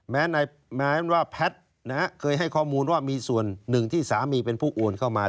แม้ว่าแพทย์เคยให้ข้อมูลว่ามีส่วนหนึ่งที่สามีเป็นผู้โอนเข้ามา